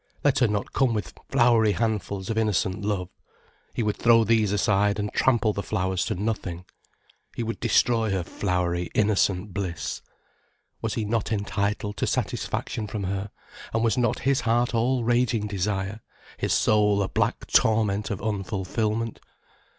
Let her not come with flowery handfuls of innocent love. He would throw these aside and trample the flowers to nothing. He would destroy her flowery, innocent bliss. Was he not entitled to satisfaction from her, and was not his heart all raging desire, his soul a black torment of unfulfilment.